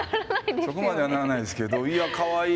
そこまではならないですけどいやかわいいですね。